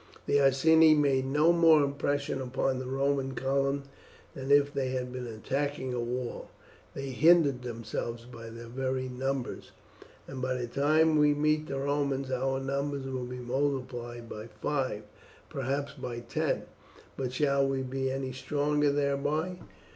The Iceni made no more impression upon the Roman column than if they had been attacking a wall. They hindered themselves by their very numbers, and by the time we meet the Romans our numbers will be multiplied by five, perhaps by ten. But shall we be any stronger thereby?